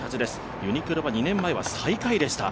ユニクロは２年前は最下位でした。